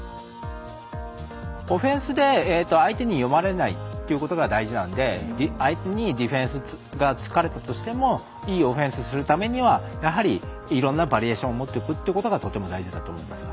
オフェンスで相手に読まれないということが大事なんで相手にディフェンスがつかれたとしてもいいオフェンスをするためにはやはりいろんなバリエーションを持っていくということがとても大事だと思います。